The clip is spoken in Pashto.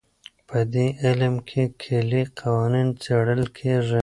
په دې علم کې کلي قوانین څېړل کېږي.